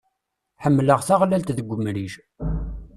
Ḥemmleɣ taɣlalt deg umrij.